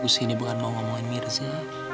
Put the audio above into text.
aku sini bukan mau ngomongin mirza